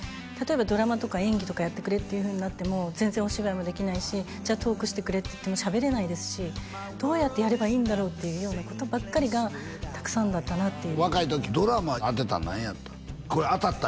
例えばドラマとか演技とかやってくれってなっても全然お芝居もできないしじゃあトークしてくれっていっても喋れないですしどうやってやればいいんだろうっていうようなことばっかりがたくさんだったなっていう若い時ドラマ当てたの何やった？